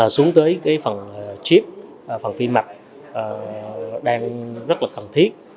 xuống tới cái phần chip phần vi mạch đang rất là cần thiết